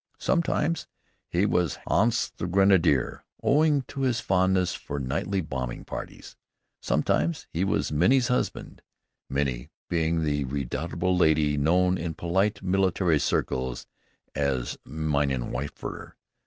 Sometimes he was "Hans the Grenadier," owing to his fondness for nightly bombing parties. Sometimes he was "Minnie's husband," Minnie being that redoubtable lady known in polite military circles as a "Minnenwerfer."